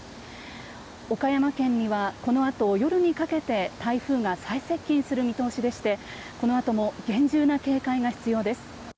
岡山県にはこのあと夜にかけて台風が最接近する見通しでしてこのあとも厳重な警戒が必要です。